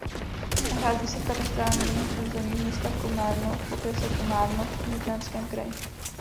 Nachází se v katastrálním území města Komárno v okrese Komárno v Nitranském kraji.